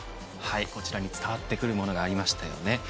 こちらに伝わってくるものがありました。